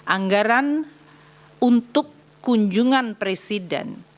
anggaran untuk kunjungan presiden